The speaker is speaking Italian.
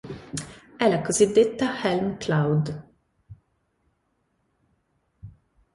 È la cosiddetta "helm cloud".